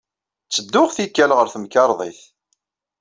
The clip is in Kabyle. Ttedduɣ, tikkal, ɣer temkarḍit.